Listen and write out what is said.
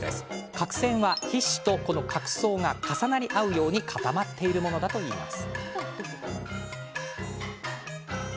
角栓は、皮脂とこの角層が重なり合うように固まっているものだといいます。